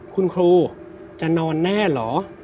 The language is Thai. คุณครูจะนอนแน่เหรอ